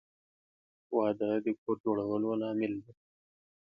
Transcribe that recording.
• واده د کور جوړولو لامل دی.